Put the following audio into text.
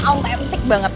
terusnya autentik banget